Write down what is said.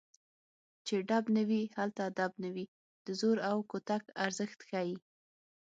چې ډب نه وي هلته ادب نه وي د زور او کوتک ارزښت ښيي